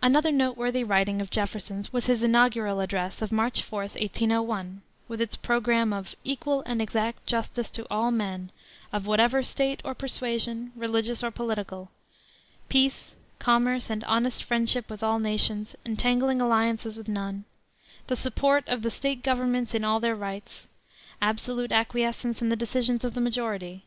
Another noteworthy writing of Jefferson's was his Inaugural Address of March 4, 1801, with its programme of "equal and exact justice to all men, of whatever state or persuasion, religious or political; peace, commerce, and honest friendship with all nations, entangling alliances with none; the support of the State governments in all their rights;~.~.~. absolute acquiescence in the decisions of the majority;~.~.~.